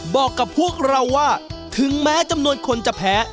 บอกกับพวกเราว่าถึงแม้จำนวนคนจะแพ้